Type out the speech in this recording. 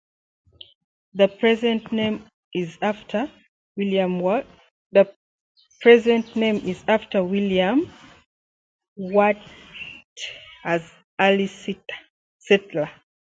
The present name is after William Wyatt, an early settler.